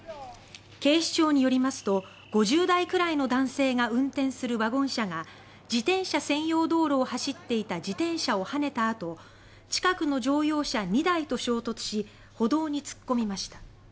警視庁によりますと５０代くらいの男性が運転するワゴン車が自転車専用道路を走っていた自転車をはねたあと近くの乗用車２台と衝突し歩道に突っ込みました。